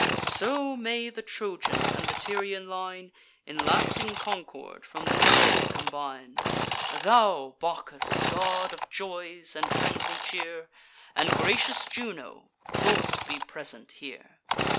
So may the Trojan and the Tyrian line In lasting concord from this day combine. Thou, Bacchus, god of joys and friendly cheer, And gracious Juno, both be present here!